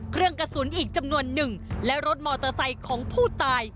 เครื่องกระสุนอีกจำนวนหนึ่งและรถมอเตอร์ไซค์ของผู้ตาย